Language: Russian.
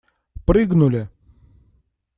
Прыгнули!